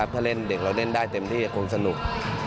ถ้าเล่นเด็กเราเล่นได้เต็มที่คงสนุก